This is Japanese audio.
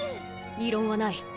異論はない。